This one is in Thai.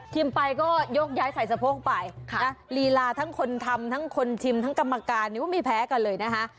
ไปก็ยกย้ายใส่สะโพกไปลีลาทั้งคนทำทั้งคนชิมทั้งกรรมการนี่ก็ไม่แพ้กันเลยนะคะ